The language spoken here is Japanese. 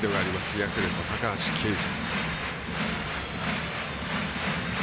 ヤクルト、高橋奎二。